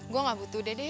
gue gak butuh dede